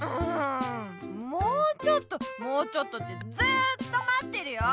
もうちょっともうちょっとってずっとまってるよ！